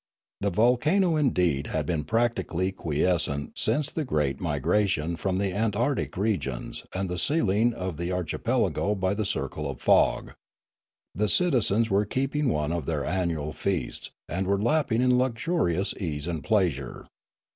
The volcano indeed had been practically quiescent since the great migration from the Antarctic regions and the sealing of the archi pelago by the circle of fog. The citizens were keeping one of their annual feasts, and were lapped in luxurious ease and pleasure.